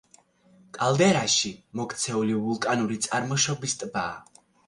კალდერაში მოქცეული ვულკანური წარმოშობის ტბაა.